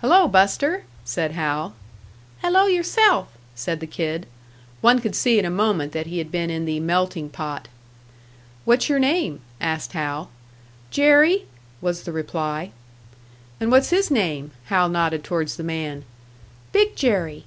"Hello, Buster!" said Hal. "Hello yourself!" said the kid. One could see in a moment that he had been in the "melting pot." "What's your name?" asked Hal. "Jerry," was the reply. "And what's his name?" Hal nodded towards the man "Big Jerry."